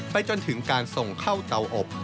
จนถึงการส่งเข้าเตาอบ